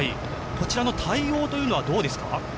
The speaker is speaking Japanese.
こちらの対応というのはどうですか？